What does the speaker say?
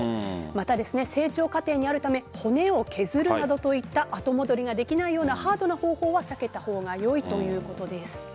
また、成長過程にあるため骨を削るなどといった後戻りができないようなハードな方法は避けた方が良いということです。